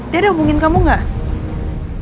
dia udah hubungin kamu gak